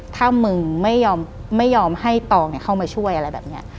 ถ้ามึงไม่ยอมให้ตองเข้ามาช่วยอะไรแบบนี้